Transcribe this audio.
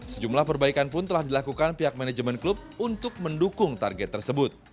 sejumlah perbaikan pun telah dilakukan pihak manajemen klub untuk mendukung target tersebut